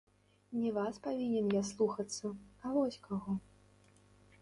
Не вас павінен я слухацца, а вось каго!